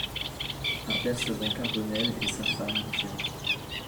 Apercevant Carbonel et sa femme qui entrent.